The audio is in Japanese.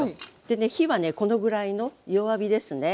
でね火はねこのぐらいの弱火ですね。